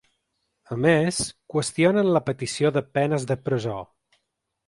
A més, qüestionen la petició de penes de presó.